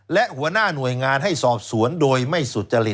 และหัวหน้าหน่วยงานให้สอบสวนโดยไม่สุจริต